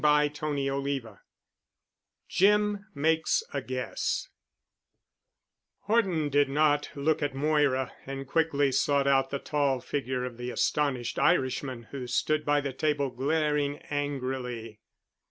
*CHAPTER XVII* *JIM MAKES A GUESS* Horton did not look at Moira and quickly sought out the tall figure of the astonished Irishman, who stood by the table, glaring angrily.